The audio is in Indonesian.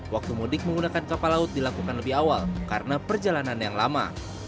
waktu mudik menggunakan kapal laut dilakukan lebih awal karena perjalanan yang lama